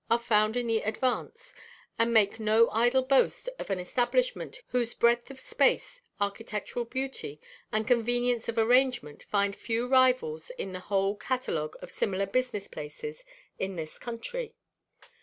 are found in the advance, and make no idle boast of an establishment whose breadth of space, architectural beauty, and convenience of arrangement find few rivals in the whole catalogue of similar business places in this country.